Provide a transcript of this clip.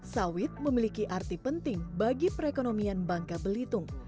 sawit memiliki arti penting bagi perekonomian bangka belitung